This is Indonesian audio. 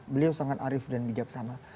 beliau sangat arif dan bijaksana